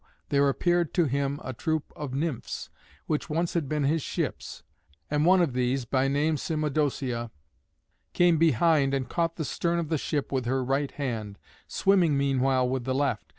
there appeared to him a troop of Nymphs, which once had been his ships. And one of these, by name Cymodocea, came behind and caught the stern of the ship with her right hand, swimming meanwhile with the left.